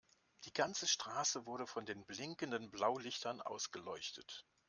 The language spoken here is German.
Die ganze Straße wurde von den blinkenden Blaulichtern ausgeleuchtet.